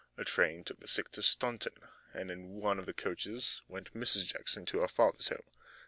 A train took the sick to Staunton, and in one of the coaches went Mrs. Jackson to her father's home.